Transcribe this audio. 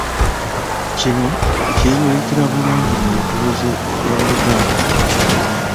Kino kyeyolekera bulungi mu Nkuluze ya Oluganda.